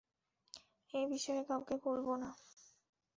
এ বিষয়ে কাউকে বলবো না।